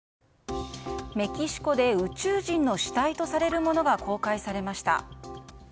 メキシコで宇宙人の死体とされるものが公開されました。